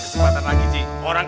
kesempatan aja berhutang